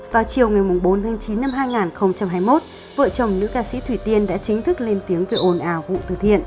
vào chiều bốn chín hai nghìn hai mươi một vợ chồng nữ ca sĩ thủy tiên đã chính thức lên tiếng về ồn ào vụ từ thiện